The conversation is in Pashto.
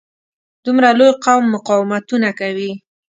دومره لوی قوم مقاومتونه کوي.